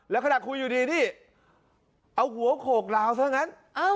แล้วขนาดคุยอยู่ดีเอาหัวโขลกราวซั่งนั้น